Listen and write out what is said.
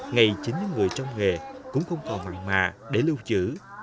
ngày chính những người trong nghề cũng không còn mạnh mạ để lưu giữ